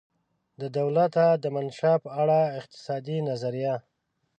د دولته دمنشا په اړه اقتصادي نظریه